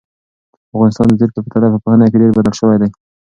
افغانستان د تېر په پرتله په پوهنه کې ډېر بدل شوی دی.